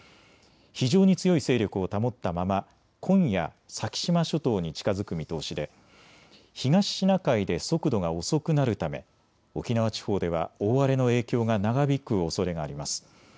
非常に強い勢力を保ったまま今夜、先島諸島に近づく見通しで東シナ海で速度が遅くなるため沖縄地方では大荒れの影響が長引くおそれがあります。